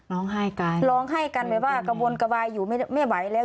ร้องไห้กันร้องไห้กันแบบว่ากระวนกระวายอยู่ไม่ไหวแล้ว